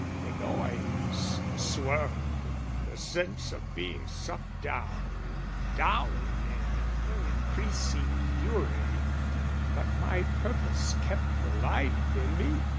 The noise the swirl the sense of being sucked down down in ever increasing fury but my purpose kept the life in me.